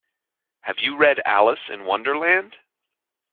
Have you read Alice in Wonderland?